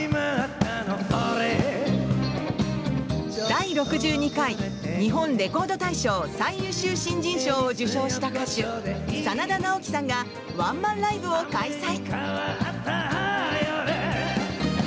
第６２回日本レコード大賞最優秀新人賞を受賞した歌手真田ナオキさんがワンマンライブを開催。